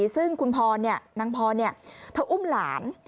ซึ่งนางพรเนี่ยเธออุ้มหลาน